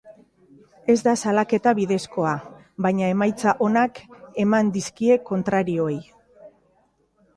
Ez da salaketa bidezkoa, baina emaitza onak eman dizkie kontrarioei.